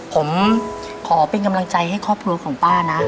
ผมขอเป็นกำลังใจให้ครอบครัวของป้านะ